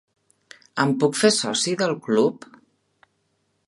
Em puc fer soci del club?